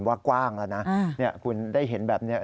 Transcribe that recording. ว่ากว้างแล้วนะคุณได้เห็นแบบนี้